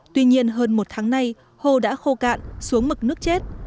tuy nhiên hơn một tháng nay hồ đã khô cạn xuống mực nước chết